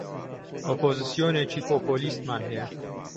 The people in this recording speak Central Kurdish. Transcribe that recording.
ئۆپۆزسیۆنێکی پۆپۆلیستمان هەیە